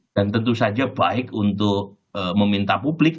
dan tentu saja baik untuk meminta publik